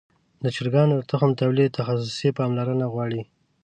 د چرګانو د تخم تولید تخصصي پاملرنه غواړي.